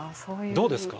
どうですか？